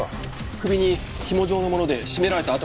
首にひも状のもので絞められた痕があります。